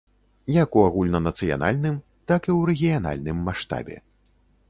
Як у агульнанацыянальным, так і ў рэгіянальным маштабе.